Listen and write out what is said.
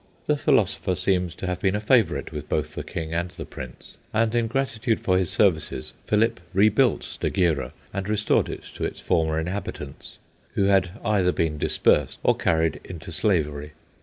The philosopher seems to have been a favourite with both the king and the prince, and, in gratitude for his services, Philip rebuilt Stagira and restored it to its former inhabitants, who had either been dispersed or carried into slavery.